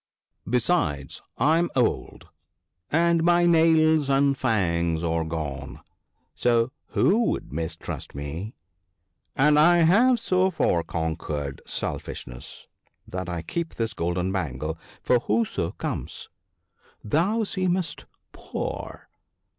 Besides, I am old, and my nails and fangs are gone — so who would mistrust me ? 24 THE BOOK OF GOOD COUNSELS. and I have so far conquered selfishness, that I keep this golden bangle for whoso comes. Thou seemest poor